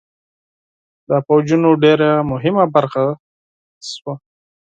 د پوځونو ډېره مهمه برخه شوه.